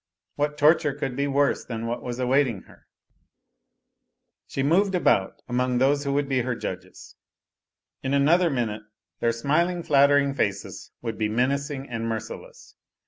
What torture could be worse than what was awaiting her ? She moved about among those^who would be }H r judges. In another minute their smiling' flattering faces would be menacing and merciless.